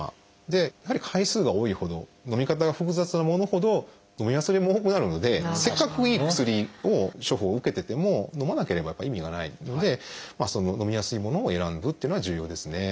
やはり回数が多いほどのみ方が複雑なものほどのみ忘れも多くなるのでせっかくいい薬を処方を受けててものまなければ意味がないのでのみやすいものを選ぶっていうのは重要ですね。